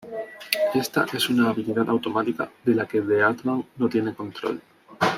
Esta es una habilidad automática de la que Deadman no tiene control.